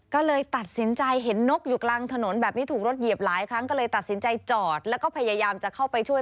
ก็เลยตัดสินใจเห็นนกอยู่กลางถนนแบบนี้ถูกรถเหยียบหลายครั้งก็เลยตัดสินใจจอดแล้วก็พยายามจะเข้าไปช่วย